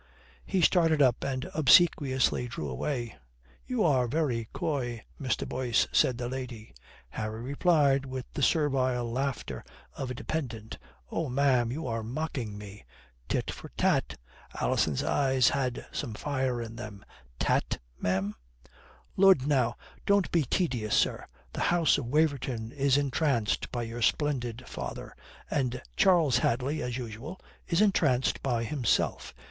He started up and obsequiously drew away. "You are very coy, Mr. Boyce," said the lady. Harry replied, with the servile laughter of a dependent, "Oh, ma'am, you are mocking me." "Tit for tat" Alison's eyes had some fire in them. "Tat, ma'am?" "Lud, now, don't be tedious. Sir, the house of Waverton is entranced by your splendid father: and Charles Hadley (as usual) is entranced by himself.